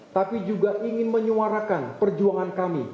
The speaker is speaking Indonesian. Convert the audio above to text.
tapi juga ingin menyuarakan perjuangan kami